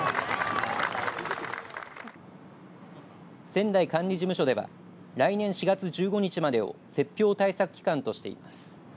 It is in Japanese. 仙台管理事務所では来年４月１５日までを雪氷対策期間としています。